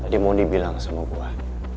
dia mau dibilang sama gue